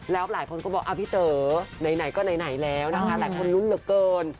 แล้วหลายคนก็บอกพี่เต๋อไหนก็ไหนแล้วนะคะหลายคนลุ้นเหลือเกิน